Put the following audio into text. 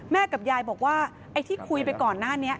กับยายบอกว่าไอ้ที่คุยไปก่อนหน้านี้